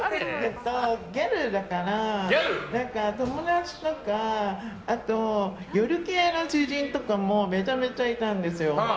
ギャルだから友達とか、夜系の知人とかもめちゃめちゃいたんですよ。